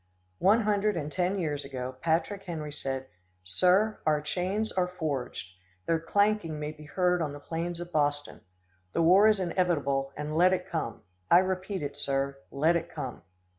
One hundred and ten years ago, Patrick Henry said: "Sir, our chains are forged. Their clanking may be heard on the plains of Boston. The war is inevitable, and let it come. I repeat it, sir, let it come!"